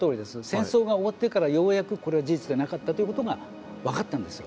戦争が終わってからようやくこれは事実でなかったということが分かったんですよ。